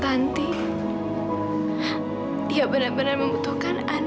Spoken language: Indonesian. nanti apa yang kamu tangisin